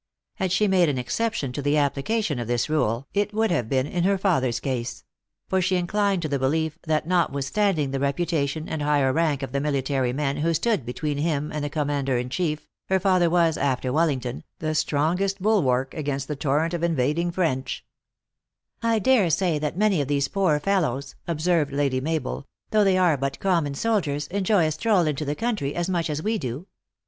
Had she made an exception to the application of this rule, it would have been in her father s case ; for she inclined to the belief, that not withstanding the reputation and higher rank of the military men who stood between him and the corn mander in chief, her father was, after Wellington, the strongest bulwark against the torrent of invading French. 5 106 THE ACTRESS IN HIGH LIFE. " I dare say that many of these poor fellows," ob served Ladj 7 Mabel, " though they are but common soldiers, enjoy a stroll into the country as much as we do.